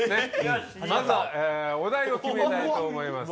まずはお題を決めたいと思います。